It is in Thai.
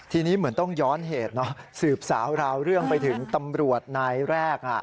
ทีนี้เหมือนต้องย้อนเหตุสืบสาวราวเรื่องไปถึงตำรวจนายแรก